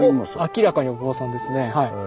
明らかにお坊さんですねはい。